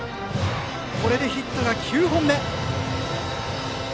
これでヒット９本目。